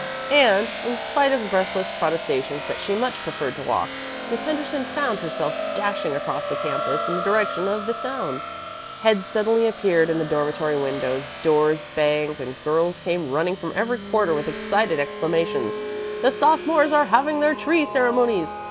And, in spite of breathless protestations that she much preferred to walk, Miss Henderson found herself dashing across the campus in the direction of the sounds. Heads suddenly appeared in the dormitory windows, doors banged, and girls came running from every quarter with excited exclamations: "The sophomores are having their tree ceremonies!"